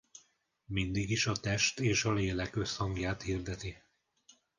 Mindig is a test és a lélek összhangját hirdeti.